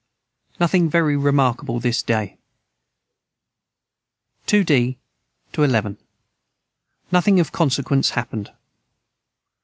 Nothing very remarkable this day. 2d 11. Nothing of consequence hapened.